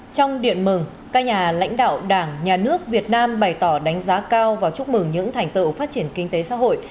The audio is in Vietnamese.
trong điện mừng các nhà lãnh đạo đảng nhà nước việt nam bày tỏ đánh giá cao và chúc mừng những thành tựu phát triển kinh tế xã hội